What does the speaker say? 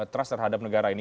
trust terhadap negara ini